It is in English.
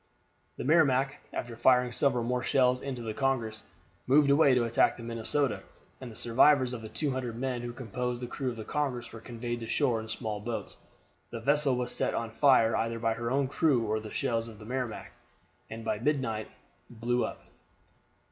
The Merrimac, after firing several more shells into the Congress, moved away to attack the Minnesota, and the survivors of the 200 men who composed the crew of the Congress were conveyed to shore in small boats. The vessel was set on fire either by her own crew or the shells of the Merrimac, and by midnight blew up.